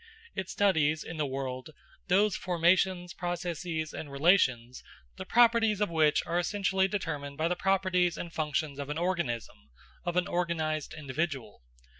It studies, in the world, those formations, processes, and relations, the properties of which are essentially determined by the properties and functions of an organism, of an organised individual....